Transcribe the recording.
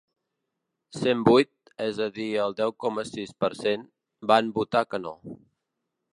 Cent vuit –és a dir, el deu coma sis per cent– van votar que no.